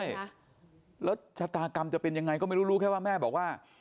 ใช่แล้วชะตากรรมจะเป็นยังไงก็ไม่รู้รู้แค่ว่าแม่บอกว่า